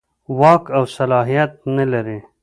واک او صلاحیت نه لري.